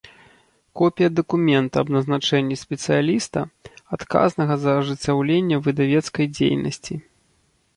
Копiя дакумента аб назначэннi спецыялiста, адказнага за ажыццяўленне выдавецкай дзейнасцi.